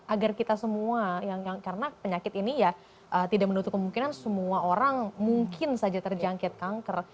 agar kita semua yang karena penyakit ini ya tidak menutup kemungkinan semua orang mungkin saja terjangkit kanker